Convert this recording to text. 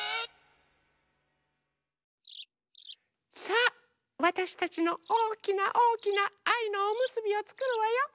さあわたしたちのおおきなおおきなあいのおむすびをつくるわよ。